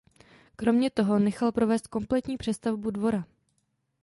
Kromě toho nechal provést kompletní přestavbu dvora.